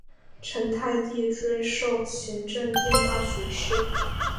成泰帝追授勤政殿大学士。